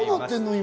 今。